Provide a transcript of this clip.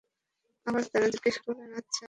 আবার তারা জিজ্ঞাসা করলেন, আচ্ছা হাওয়া নাম হলো কেন?